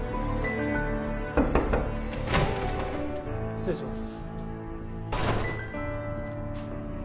失礼します。